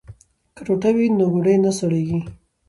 که ټوټه وي نو ګوډی نه سړیږي.